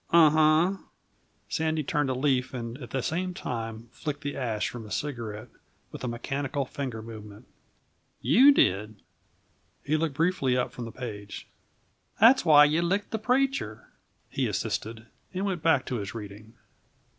"Unh hunh." Sandy turned a leaf and at the same time flicked the ashes from his cigarette with a mechanical finger movement. "You did." He looked briefly up from the page. "That's why you licked the preacher," he assisted, and went back to his reading.